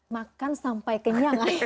makan sampai kenyang